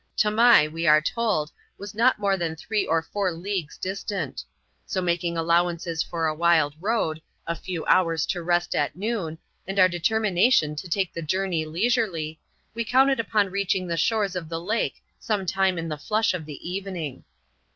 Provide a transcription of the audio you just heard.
Tamai, we were told, was not more than three or four leagues distant ; so making allowances for a wild road, a few hours to rest at noon, and our determination to take the journey leisurely, we counted upon reaching the shores of the lake some time in the flush of the evening.